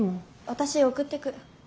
私送ってく。